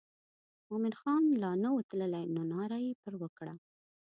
مومن خان لا نه و تللی نو ناره یې پر وکړه.